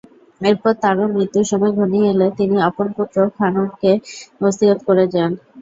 এরপর তারও মৃত্যুর সময় ঘনিয়ে এলে তিনি আপন পুত্র খানুখকে ওসীয়ত করে যান।